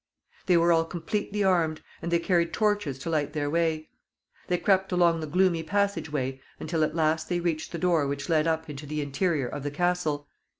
They were all completely armed, and they carried torches to light their way. They crept along the gloomy passage way until at last they reached the door which led up into the interior of the castle.